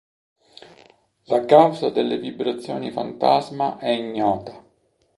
La causa delle vibrazioni fantasma è ignota.